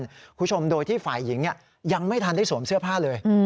คุณผู้ชมโดยที่ฝ่ายหญิงยังไม่ทันได้สวมเสื้อผ้าเลย